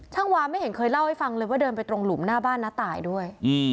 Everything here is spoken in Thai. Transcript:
วาไม่เห็นเคยเล่าให้ฟังเลยว่าเดินไปตรงหลุมหน้าบ้านน้าตายด้วย